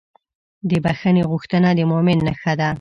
د بښنې غوښتنه د مؤمن نښه ده.